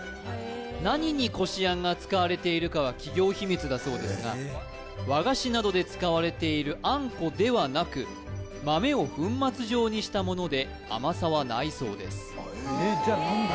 何にこしあんが使われているかは企業秘密だそうですが和菓子などで使われているあんこではなく豆を粉末状にしたもので甘さはないそうです・えっじゃ何で！？